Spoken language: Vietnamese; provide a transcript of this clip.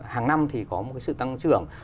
hàng năm thì có một cái sự tăng trưởng